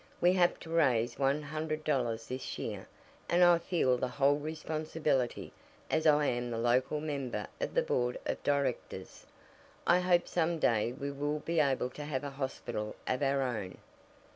We have to raise one hundred dollars this year. And I feel the whole responsibility, as I am the local member of the board of directors. I hope some day we will be able to have a hospital of our own.